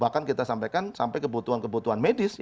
bahkan kita sampaikan sampai kebutuhan kebutuhan medis